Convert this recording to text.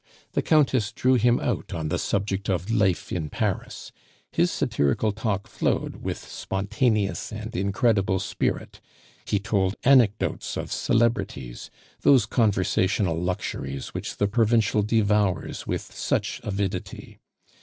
The Countess drew him out on the subject of life in Paris; his satirical talk flowed with spontaneous and incredible spirit; he told anecdotes of celebrities, those conversational luxuries which the provincial devours with such avidity.